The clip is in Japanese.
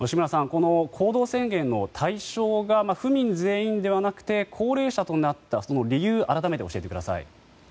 この行動制限の対象が府民全員ではなくて高齢者となった理由改めて教えてください。